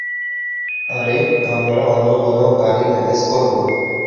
আরে, আমরা অন্য কোনো গাড়ি ম্যানেজ করবো।